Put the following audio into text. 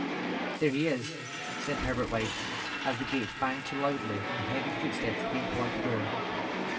"There he is," said Herbert White, as the gate banged to loudly and heavy footsteps came toward the door.